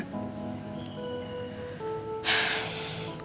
gue selama ini